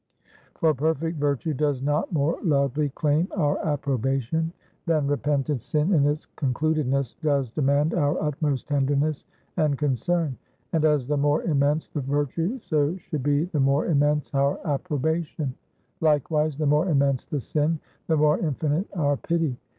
For perfect Virtue does not more loudly claim our approbation, than repented Sin in its concludedness does demand our utmost tenderness and concern. And as the more immense the Virtue, so should be the more immense our approbation; likewise the more immense the Sin, the more infinite our pity.